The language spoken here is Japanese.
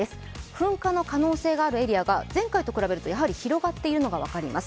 噴火の可能性があるエリアが前回と比べると広がっているのが分かります。